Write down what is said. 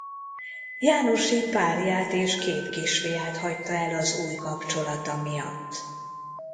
Jánosi párját és két kisfiát hagyta el az új kapcsolata miatt.